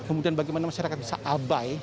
kemudian bagaimana masyarakat bisa abai